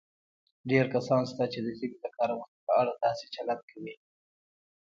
ډېر کسان شته چې د ژبې د کارونې په اړه داسې چلند کوي